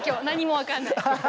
何も分かんない。